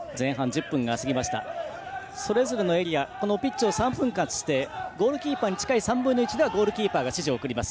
それぞれのエリアピッチを３分割してゴールキーパーに近い３分の１ではゴールキーパーが指示を送ります。